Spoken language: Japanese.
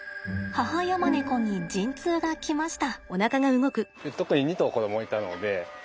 母ヤマネコに陣痛が来ました。